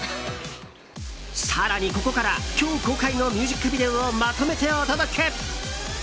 更に、ここから今日公開のミュージックビデオをまとめてお届け。